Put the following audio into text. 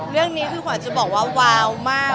เรื่องนี้คือขวัญจะบอกว่าวาวมาก